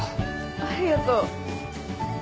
ありがとう。